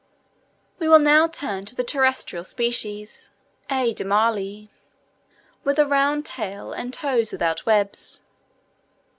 We will now turn to the terrestrial species (A. Demarlii), with a round tail, and toes without webs.